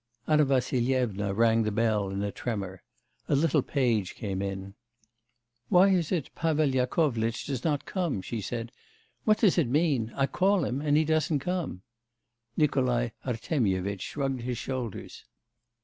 Anna Vassilyevna rang the bell in a tremor. A little page came in. 'Why is it Pavel Yakovlitch does not come?' she said, 'what does it mean; I call him, and he doesn't come?' Nikolai Artemyevitch shrugged his shoulders.